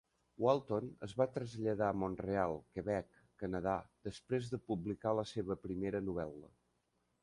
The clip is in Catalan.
Walton es va traslladar a Montreal, Quebec, Canadà, després de publicar la seva primera novel·la.